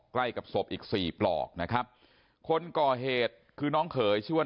ใกล้กับศพอีกสี่ปลอกนะครับคนก่อเหตุคือน้องเขยชื่อว่า